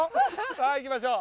さあいきましょう。